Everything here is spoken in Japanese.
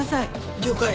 了解。